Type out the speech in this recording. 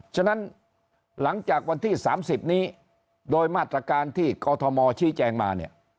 ฉะนั้นหลังจากวันที่๓๐นี้โดยมาตรการที่กอทมชี้แจงมาเนี่ย